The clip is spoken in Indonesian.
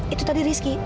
itu tadi rizky